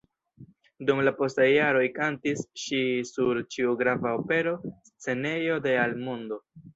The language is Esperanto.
Dum la postaj jaroj kantis ŝi sur ĉiu grava opera scenejo de al mondo.